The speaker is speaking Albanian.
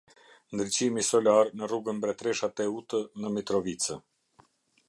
Ndriqimi Solar në rrugën Mbretresha Teutë në Mitrovicë